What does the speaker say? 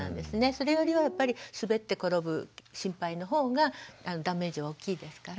それよりは滑って転ぶ心配の方がダメージは大きいですから。